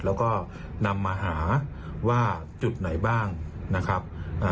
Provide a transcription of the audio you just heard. แล้วก็นำมาหาว่าจุดไหนบ้างนะครับ